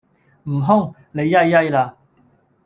悟空,你曳曳啦